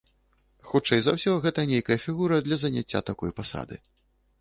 Хутчэй за ўсё, гэта нейкая фігура для заняцця такой пасады.